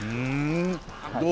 どう？